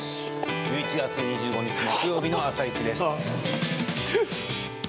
１１月２５日木曜日の「あさイチ」です。